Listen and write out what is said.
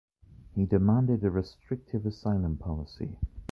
He demanded a restrictive asylum policy.